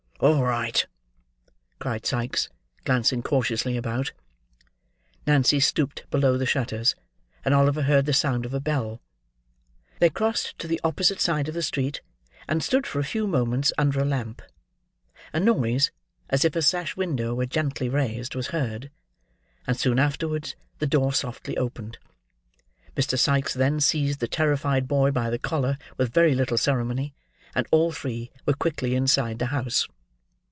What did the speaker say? "All right," cried Sikes, glancing cautiously about. Nancy stooped below the shutters, and Oliver heard the sound of a bell. They crossed to the opposite side of the street, and stood for a few moments under a lamp. A noise, as if a sash window were gently raised, was heard; and soon afterwards the door softly opened. Mr. Sikes then seized the terrified boy by the collar with very little ceremony; and all three were quickly inside the house.